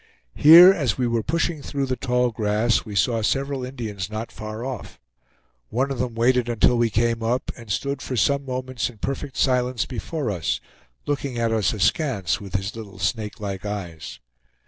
Here, as we were pushing through the tall grass, we saw several Indians not far off; one of them waited until we came up, and stood for some moments in perfect silence before us, looking at us askance with his little snakelike eyes.